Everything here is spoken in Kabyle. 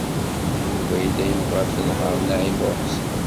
Yuba yella yebɣa ad tenheṛ Naɛima u Ḥsen.